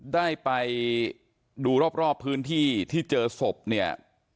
ได้ไปดูรอบพื้นที่ที่เจอศพเนี่ย